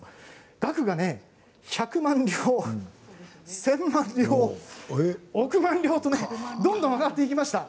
額が１００万両１０００万両億万両とどんどん上がっていきました。